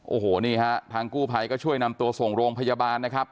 โอ้โหนี่ฮะทางกู้ภัยก็ช่วยนำตัวส่งโรงพยาบาลนะครับ